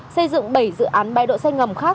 xây dựng bảy dự án bãi đỗ xe ngầm khác